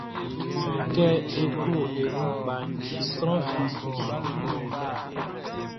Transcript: Kɛ e klo e wun kpaʼn, sran fi sunman.